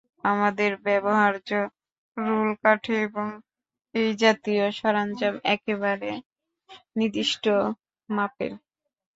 আমাদের ব্যবহার্য রুলকাঠি এবং এইজাতীয় সরঞ্জামগুলো একেবারে নির্দিষ্ট মাপের।